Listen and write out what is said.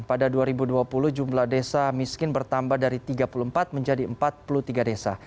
pada dua ribu dua puluh jumlah desa miskin bertambah dari tiga puluh empat menjadi empat puluh tiga desa